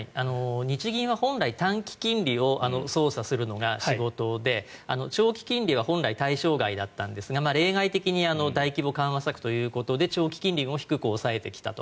日銀は本来短期金利を操作するのが仕事で長期金利は本来、対象外だったんですが例外的に大規模緩和策ということで長期金利を低く抑えてきたと。